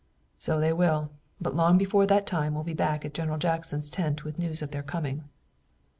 "So they will, but long before that time we'll be back at General Jackson's tent with the news of their coming."